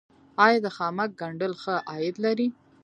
آیا د خامک ګنډل ښه عاید لري؟